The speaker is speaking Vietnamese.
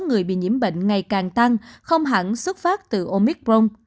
số người bị nhiễm bệnh ngày càng tăng không hẳn xuất phát từ omicron